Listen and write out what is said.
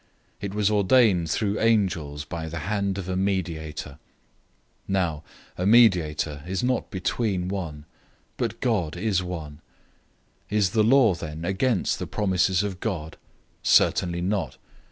It was ordained through angels by the hand of a mediator. 003:020 Now a mediator is not between one, but God is one. 003:021 Is the law then against the promises of God? Certainly not!